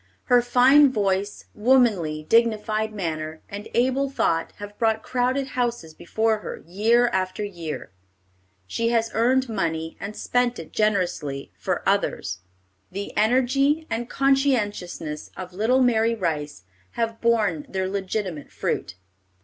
Her fine voice, womanly, dignified manner, and able thought have brought crowded houses before her, year after year. She has earned money, and spent it generously for others. The energy and conscientiousness of little Mary Rice have borne their legitimate fruit.